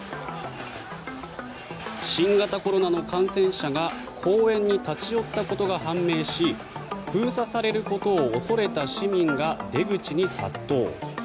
新型コロナの感染者が公園に立ち寄ったことが判明し封鎖されることを恐れた市民が出口に殺到。